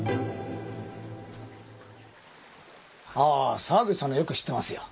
ああ沢口さんならよく知ってますよ。